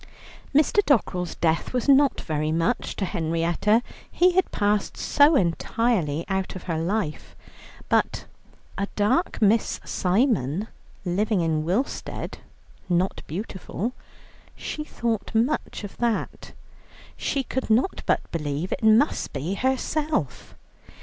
Mr. Dockerell's death was not very much to Henrietta, he had passed so entirely out of her life. But "a dark Miss Simon living at Willstead, not beautiful"; she thought much of that. She could not but believe it must be herself.